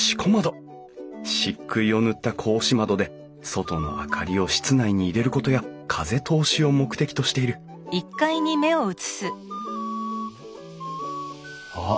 漆喰を塗った格子窓で外の明かりを室内に入れることや風通しを目的としているあっ